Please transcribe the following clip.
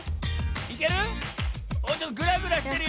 いける？